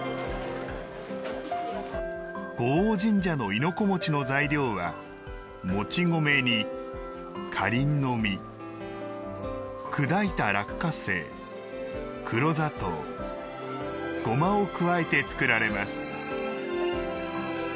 護王神社の亥子餅の材料はもち米に、カリンの実砕いた落花生、黒砂糖ゴマを加えて作られます。